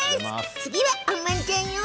次はあんまんちゃんよ。